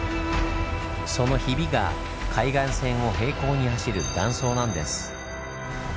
そのヒビが海岸線を並行に走る断層なんです。